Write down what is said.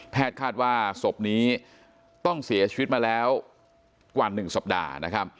คาดว่าศพนี้ต้องเสียชีวิตมาแล้วกว่า๑สัปดาห์นะครับ